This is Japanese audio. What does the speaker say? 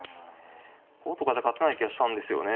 こことかじゃ勝てない気がしたんですよね。